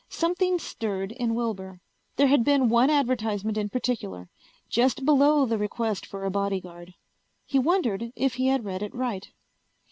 Something stirred in Wilbur. There had been one advertisement in particular. Just below the request for a bodyguard. He wondered if he had read it right.